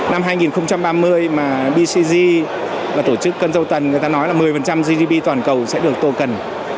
năm hai nghìn ba mươi mà bcg và tổ chức cân dâu tần người ta nói là một mươi gdp toàn cầu sẽ được token